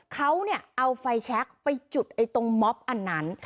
เขาเอาไฟแชคไปจุดตรงม็อบอันนั้น